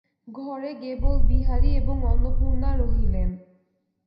ঘরে গেবল বিহারী এবং অন্নপূর্ণা রহিলেন।